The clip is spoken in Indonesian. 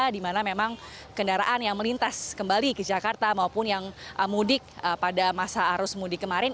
di mana memang kendaraan yang melintas kembali ke jakarta maupun yang mudik pada masa arus mudik kemarin